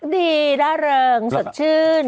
ดีร่าเริงสดชื่น